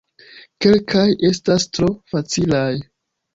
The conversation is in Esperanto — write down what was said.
Kelkaj estas tro facilaj.